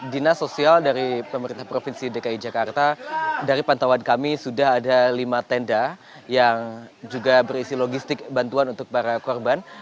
dinas sosial dari pemerintah provinsi dki jakarta dari pantauan kami sudah ada lima tenda yang juga berisi logistik bantuan untuk para korban